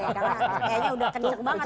kayaknya sudah kenyuk banget itu